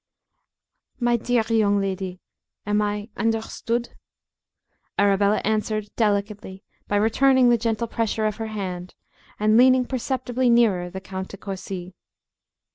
"My dear young lady, am I understood?" Arabella answered, delicately, by returning the gentle pressure of her hand, and leaning perceptibly nearer the Count De Courci.